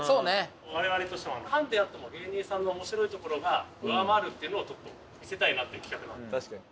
我々としてもハンデあっても芸人さんの面白いところが上回るっていうのをちょっと見せたいなっていう企画なので。